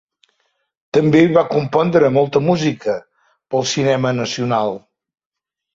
També va compondre molta música pel cinema nacional.